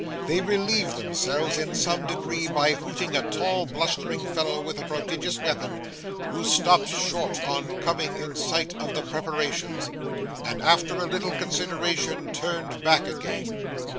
They relieved themselves in some degree by hooting a tall blustering fellow with a prodigious weapon, who stopped short on coming in sight of the preparations, and after a little consideration turned back again.